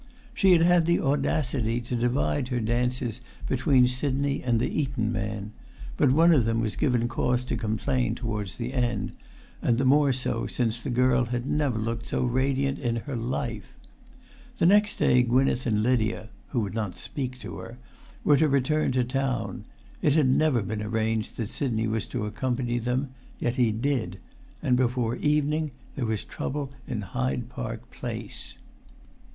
She had had the audacity to divide her dances between Sidney and the Eton man; but one of them was given cause to complain towards the end, and the more so since the girl had never looked so radiant in her life. The next day Gwynneth and Lydia (who would not speak to her) were to return to town. It had never been arranged that Sidney was to accompany them; yet he did; and before evening there was trouble in Hyde Park Place.